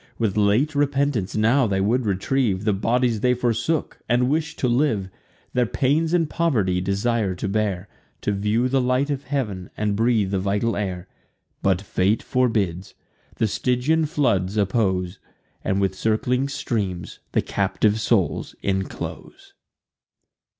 With late repentance now they would retrieve The bodies they forsook, and wish to live; Their pains and poverty desire to bear, To view the light of heav'n, and breathe the vital air: But fate forbids; the Stygian floods oppose, And with circling streams the captive souls inclose.